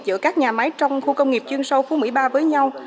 giữa các nhà máy trong khu công nghiệp chuyên sâu phú mỹ ba với nhau